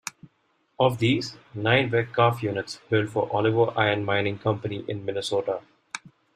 Of these, nine were "calf" units built for Oliver Iron Mining Company in Minnesota.